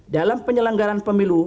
dalam penyelenggaran pemilu